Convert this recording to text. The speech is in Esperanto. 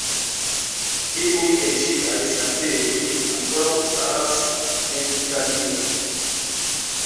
Iuj el ŝiaj sanktejoj ankoraŭ staras en Italio.